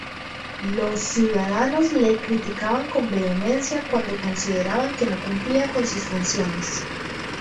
Los ciudadanos le criticaban con vehemencia cuando consideraban que no cumplía con sus funciones.